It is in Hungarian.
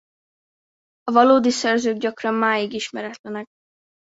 A valódi szerzők gyakran máig ismeretlenek.